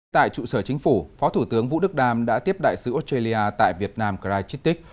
tại trụ sở chính phủ phó thủ tướng vũ đức đam đã tiếp đại sứ australia tại việt nam grajitik